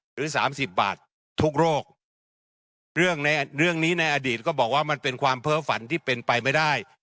หรือสามสิบบาททุกโรคเรื่องในเรื่องนี้ในอดีตก็บอกว่ามันเป็นความเพ้อฝันที่เป็นไปไม่ได้